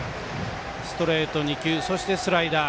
ストレート２球そして、スライダー。